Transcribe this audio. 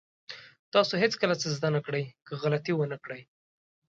تاسو هېڅکله څه زده نه کړئ که غلطي ونه کړئ.